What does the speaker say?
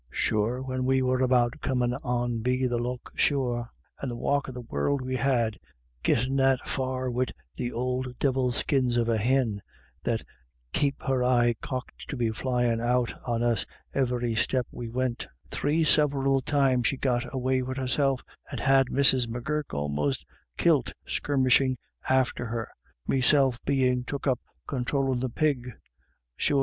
" Sure when we were about comin' on be the Lough shore — and the wark of the warld we had, gittin* that far wid th'ould divilskins of a hin, that kep* her eye cocked to be flyin' out on us ivery step we wint — three several times she got away wid herself, and had Mrs. M'Gurk 'most kilt skirmishin' after her, meself bein' took up conthroulin' the pig — sure BACKWARDS AND FORWARDS.